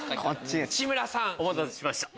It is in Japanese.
内村さん。お待たせしました。